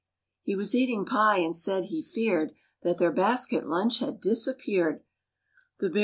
He was eating pie and said he feared That their basket lunch had disappeared.